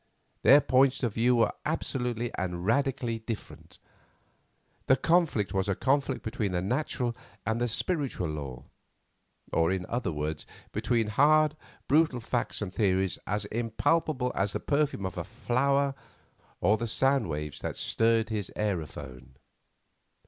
Their points of view were absolutely and radically different. The conflict was a conflict between the natural and the spiritual law; or, in other words, between hard, brutal facts and theories as impalpable as the perfume of a flower, or the sound waves that stirred his aerophone.